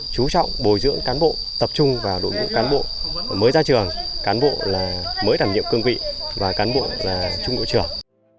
chú trọng bồi dưỡng cán bộ tập trung vào đội ngũ cán bộ mới ra trường cán bộ là mới đảm nhiệm cương vị và cán bộ là trung đội trưởng